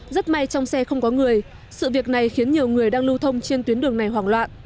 rất may trong xe không có người sự việc này khiến nhiều người đang lưu thông trên tuyến đường này hoảng loạn